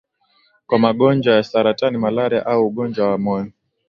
kwa magonjwa ya saratani malaria au ugonjwa wa moyo